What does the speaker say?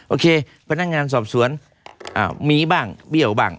โอเคพนักงานสอบสวนมีบ้างเบี้ยวบ้าง